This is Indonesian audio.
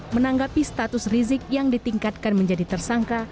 menanggapi status rizik yang ditingkatkan menjadi tersangka